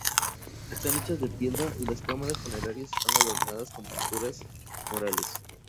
Están hechas en piedra y las cámaras funerarias están adornadas con pinturas murales.